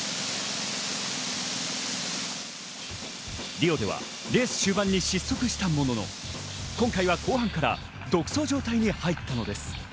リオではレース終盤に失速したものの、今回は後半から独走状態に入ったのです。